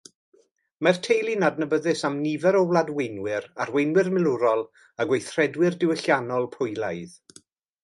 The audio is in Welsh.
Mae'r teulu'n adnabyddus am nifer o wladweinwyr, arweinwyr milwrol, a gweithredwyr diwylliannol Pwylaidd.